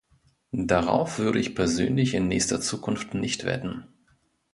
Darauf würde ich persönlich in nächster Zukunft nicht wetten.